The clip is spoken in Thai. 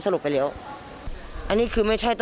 สวัสดีครับ